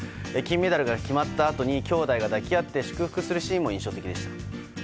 金メダルが決まったあとにきょうだいが抱き合って祝福するシーンも印象的でした。